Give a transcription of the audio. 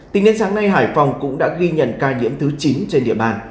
tính đến sáng nay hải phòng cũng đã ghi nhận ca nhiễm thứ chín trên địa bàn